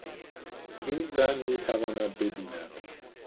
این زن میتواند ببیند.